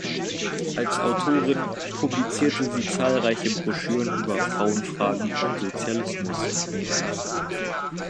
Als Autorin publizierte sie zahlreiche Broschüren über Frauenfragen und Sozialismus.